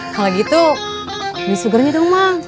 kalau gitu ini sugarnya dong mang